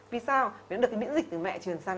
vì sao vì nó được miễn dịch từ mẹ truyền sang